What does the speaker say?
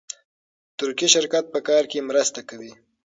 ترکي شرکت په کار کې مرسته کوي.